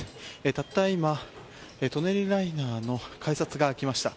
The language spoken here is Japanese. たった今、舎人ライナーの改札が開きました。